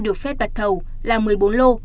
được phép đặt thầu là một mươi bốn lô